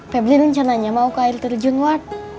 pembeli rencananya mau ke air terjun ward